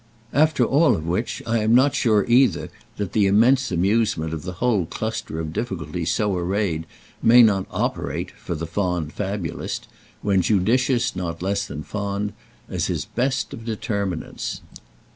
After all of which I am not sure, either, that the immense amusement of the whole cluster of difficulties so arrayed may not operate, for the fond fabulist, when judicious not less than fond, as his best of determinants.